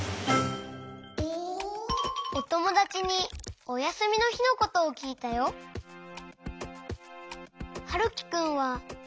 おともだちにおやすみのひのことをきいたよ。はるきくんはなにをしたの？